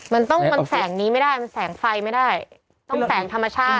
มันต้องมันแสงนี้ไม่ได้มันแสงไฟไม่ได้ต้องแสงธรรมชาติ